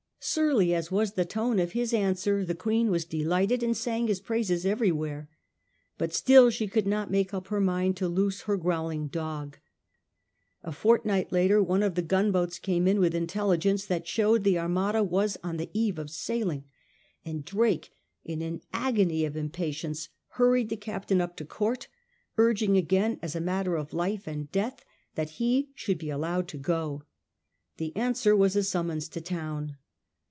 Surly as was the tone of his answer, the Queen was delighted and sang his praises everywhere. But still she could not make up her mind to loose her growling dog. A fortnight later one of the gunboats canie in with intelligence that showed the Armada was on the eve of sailing, and Drake, in an agony of impatience, hurried the captain up to Court, urging again as a matter of life and death that he should be allowed to go. The answer was a summons to town.